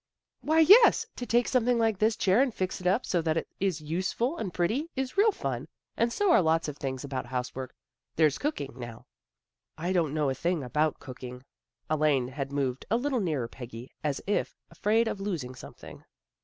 " Why, yes! To take something like this chair and fix it up so that it is useful and pretty is real fun. And so are lots of things about housework. There's cooking, now." " I don't know a thing about cooking." Elaine had moved a little nearer Peggy, as if afraid of losing something.